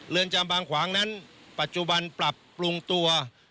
จำบางขวางนั้นปัจจุบันปรับปรุงตัว